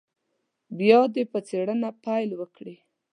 بیا دې په څېړنه پیل وکړي.